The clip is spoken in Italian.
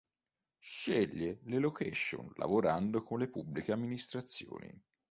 Sceglie le location lavorando con le pubbliche amministrazioni.